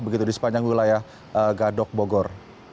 begitu di sepanjang wilayah gadok bogor